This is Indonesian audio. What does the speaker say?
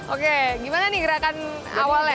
oke gimana nih gerakan awalnya